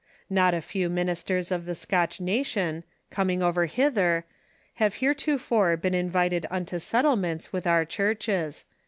Not a few ministers of the Scotch na tion, coming over hither, have heretofore been invited unto set tlements with our churches."